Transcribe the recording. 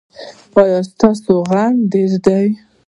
ایا ستاسو زغم ډیر دی؟